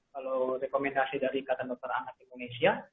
kalau rekomendasi dari kata dr anad di indonesia